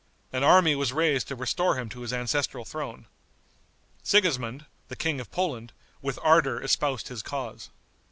An army was raised to restore him to his ancestral throne. Sigismond, the King of Poland, with ardor espoused his cause.